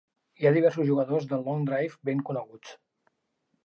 Hi ha diversos jugadors de long drive ben coneguts.